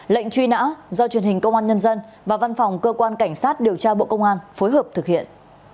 lệnh truy nã do truyền hình công an nhân dân và văn phòng cơ quan cảnh sát điều tra bộ công an phối hợp thực hiện